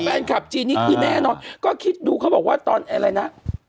แฟนคลับจีนนี้คือแน่นอนก็คิดดูเขาบอกว่าตอนอะไรนะ